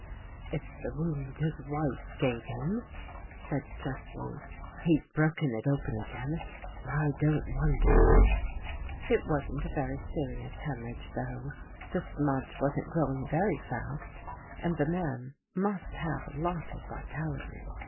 " It's the wound his wife gave him," said Jeff rey. " He's broken It open again and I don't wonder." I . It wasn't a very serious hemorrhage, though. The smudge wasn't growing very fast and the man must have a lot of vitality.